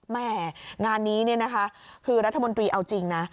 แม่งานนี้เนี่ยนะคะคือรัฐมนตรีเอาจริงนะ